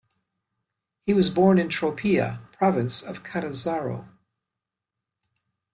He was born in Tropea, province of Catanzaro.